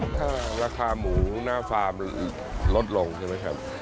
ถ้าราคาหมูหน้าฟาร์มลดลงใช่ไหมครับ